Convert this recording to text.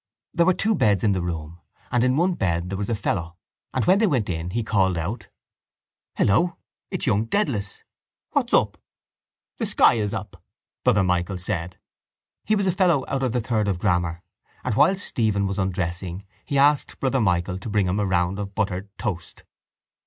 There were two beds in the room and in one bed there was a fellow: and when they went in he called out: —Hello! It's young Dedalus! What's up? —The sky is up, Brother Michael said. He was a fellow out of the third of grammar and, while Stephen was undressing, he asked Brother Michael to bring him a round of buttered toast.